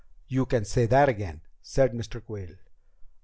"You can say that again," said Mr. Quayle.